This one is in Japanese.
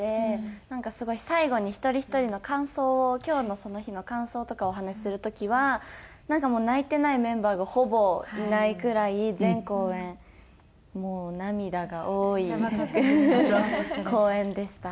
なんかすごい最後に一人ひとりの感想を今日のその日の感想とかをお話しする時は泣いてないメンバーがほぼいないくらい全公演もう涙が多い公演でした。